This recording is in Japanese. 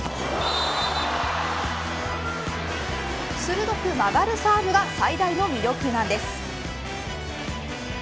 鋭く曲がるサーブが最大の魅力なんです。